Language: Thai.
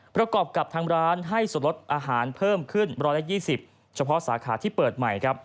ประกอบกับทางร้านให้ส่วนลดอาหารเพิ่มขึ้น๑๒๐เฉพาะสาขาที่เปิดใหม่